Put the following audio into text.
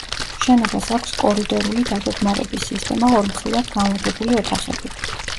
შენობას აქვს კორიდორული დაგეგმარების სისტემა ორმხრივად განლაგებული ოთახებით.